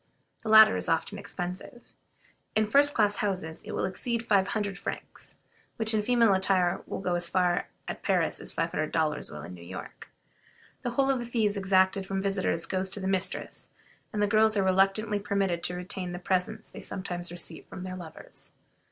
The latter is often expensive. In first class houses it will exceed five hundred francs, which in female attire will go as far at Paris as five hundred dollars will in New York. The whole of the fees exacted from visitors goes to the mistress, and the girls are reluctantly permitted to retain the presents they sometimes receive from their lovers.